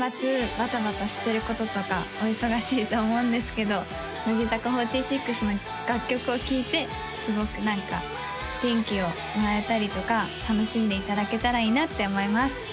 バタバタしてることとかお忙しいと思うんですけど乃木坂４６の楽曲を聴いてすごく何か元気をもらえたりとか楽しんでいただけたらいいなって思います